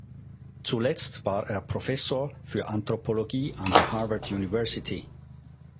Zuletzt war er Professor für Anthropologie an der Harvard University.